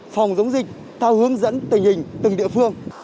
phòng chống dịch theo hướng dẫn tình hình từng địa phương